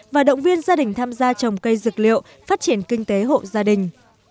và động viên gia đình tham gia trồng cây dược liệu phát triển kinh tế hộ gia đình